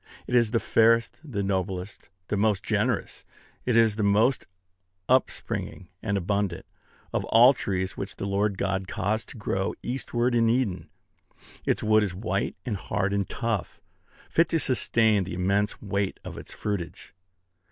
It is the fairest, the noblest, the most generous, it is the most upspringing and abundant, of all trees which the Lord God caused to grow eastward in Eden. Its wood is white and hard and tough, fit to sustain the immense weight of its fruitage.